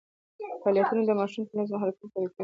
فعالیتونه د ماشوم ټولنیز مهارتونه قوي کوي.